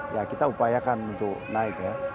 ya kita upayakan untuk naik ya